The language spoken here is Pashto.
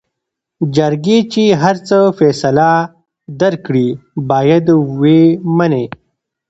جرګې چې هر څه فيصله درکړې بايد وې منې.